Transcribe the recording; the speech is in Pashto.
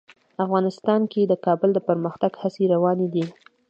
افغانستان کې د کابل د پرمختګ هڅې روانې دي.